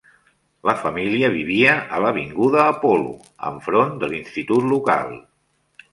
La família vivia a l'avinguda Apollo, enfront de l'institut local.